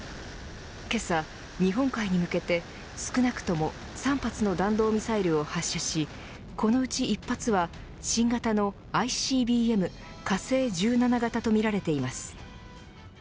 けさ日本海に向けて少なくとも３発の弾道ミサイルを発射しこのうち一発は新型のＩＣＢＭ火星１７型とみられています。